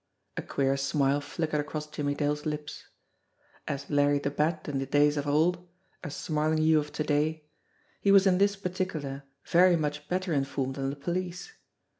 A queer smile flickered across Jimmie Dale's lips. As Larry the Bat in the days of old, as Smarlinghue of to day, he was in this particular very much better informed than the police.